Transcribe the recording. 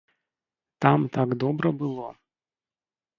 Там так добра было!